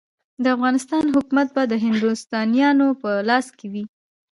د افغانستان حکومت به د هندوستانیانو په لاس کې وي.